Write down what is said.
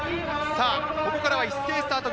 ここからは一斉スタート組。